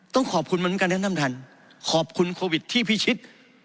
ต้องขอบคุณมันเหมือนกันนะท่านท่านขอบคุณโควิดที่พิชิต